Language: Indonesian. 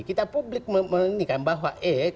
kita publik menikah bahwa